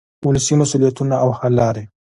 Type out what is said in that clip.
ولسي مسؤلیتونه او حل لارې.